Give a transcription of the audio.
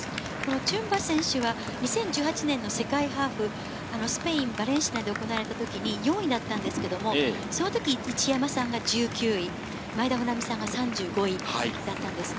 チュンバ選手は２０１８年の世界ハーフ、スペイン・バレンシアで行われた時に４位だったんですけど、その時、一山さんが１９位、前田穂南さんが３５位だったんですね。